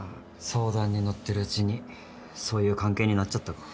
相談に乗ってるうちにそういう関係になっちゃったか。